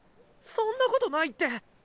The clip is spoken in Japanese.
そんなことないって！